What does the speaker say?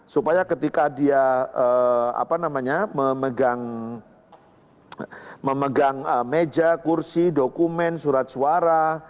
supaya ketika dia memegang memegang meja kursi dokumen surat suara